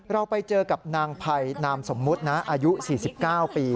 เราไปเจอกับนางภัยนามสมมุตินะอายุ๔๙ปี